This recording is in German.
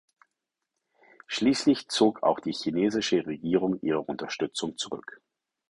Schließlich zog auch die chinesische Regierung ihre Unterstützung zurück.